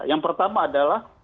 yang pertama adalah